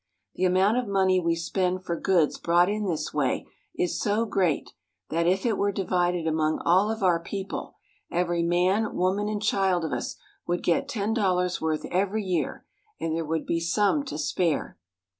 The amount of money we spend for goods bought in this way is so great that if it were divided among all of our people, every man, woman, and child of us would get ten dollars' worth every year, and there would be some to spare.